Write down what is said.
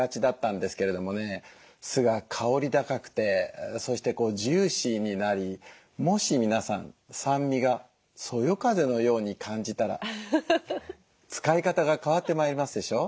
酢が香り高くてそしてジューシーになりもし皆さん酸味がそよ風のように感じたら使い方が変わってまいりますでしょ。